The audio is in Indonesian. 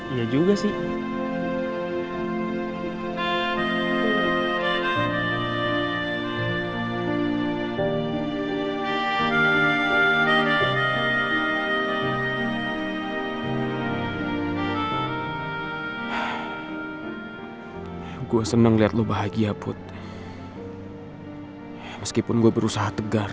iya juga sih